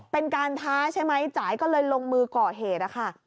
เป็นการท้าใช่ไหมจ่ายก็เลยลงมือก่อเหตุนะคะ